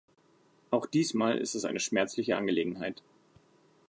Auch diesmal ist es eine schmerzliche Angelegenheit.